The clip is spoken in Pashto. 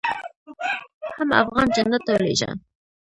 حم افغان جنت ته ولېږه.